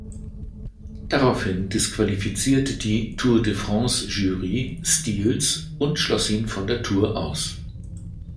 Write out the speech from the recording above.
Daraufhin disqualifizierte die Tour-de-France-Jury Steels und schloss ihn von der Tour aus.